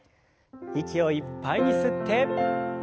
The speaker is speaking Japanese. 息をいっぱいに吸って。